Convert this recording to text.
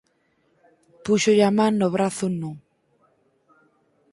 Púxolle a man no brazo nu.